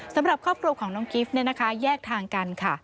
สำหรับครอบครัวของน้องกิฟต์แยกทางกันค่ะ